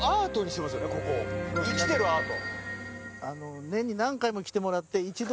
私の「生きてるアート」。